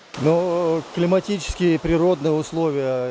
thùng lũng nắng công ty thùng lũng nắng thường xuyên quan tâm công tác bảo vệ rừng